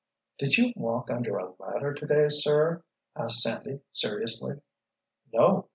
—" "Did you walk under a ladder, today, sir?" asked Sandy seriously. "No.